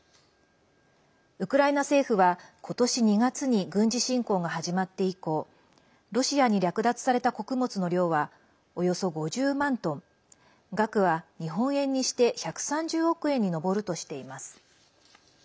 ウクライナ政府は、ことし２月に軍事侵攻が始まって以降ロシアに略奪された穀物の量はおよそ５０万トン額は日本円にして１３０億円に上るとしています。